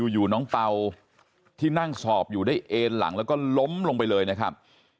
อยู่น้องเป่าที่นั่งสอบอยู่ได้เอ็นหลังแล้วก็ล้มลงไปเลยนะครับ